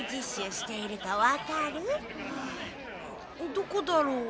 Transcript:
どこだろう？